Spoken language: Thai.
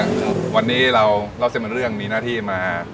ก็ลูกค้าเยอะอยู่เยอะเหมือนเดิมทุกวันเลยนะฮะวันนี้เราเส้นเป็นเรื่องมีหน้าที่มา